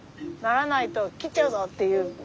「ならないと切っちゃうぞ！」っていう。